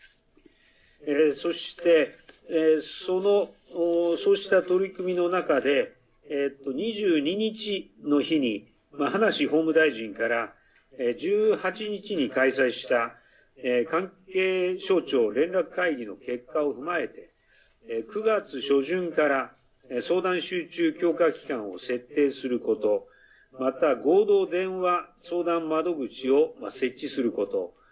そしてそうした取り組みの中で２２日の日にはなし法務大臣から１８日に開催した関係省庁連絡会議の結果を踏まえて９月初旬から相談集中強化期間を設定することまた合同電話相談窓口を設置すること。